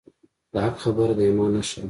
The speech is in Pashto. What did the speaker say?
د حق خبره د ایمان نښه ده.